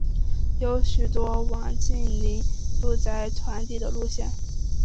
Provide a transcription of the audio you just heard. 有许多网近邻住宅团地的路线。